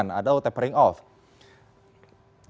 nah ada yang menyebabkan penyebabnya